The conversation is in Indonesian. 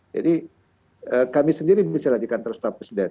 jadi kami sendiri bisa melakukan terhadap presiden